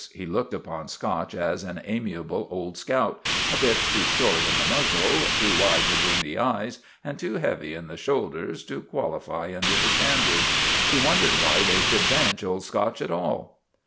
He looked upon Scotch as an amiable old scout, a bit too short in the muzzle, too wide between the eyes, and too heavy in the shoulders to qualify under the stand ard. He wondered why they should bench Old Scotch at all.